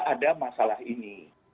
ada masalah ini